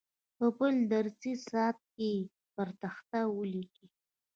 په بل درسي ساعت کې یې پر تخته ولیکئ.